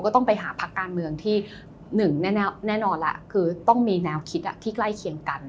ที่หนึ่งแน่นอนคือต้องมีแนวคิดที่ใกล้เคียงกัน